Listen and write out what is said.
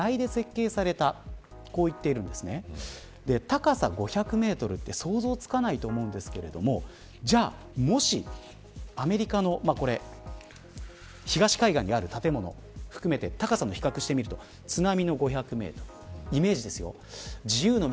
高さ５００メートルって想像つかないと思うんですけれどもじゃあ、もし、アメリカのこれ、東海岸にある建物を含めて高さを比較してみると津波の５００メートル。